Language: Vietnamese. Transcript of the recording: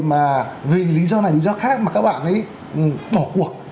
mà vì lý do này lý do khác mà các bạn ấy bỏ cuộc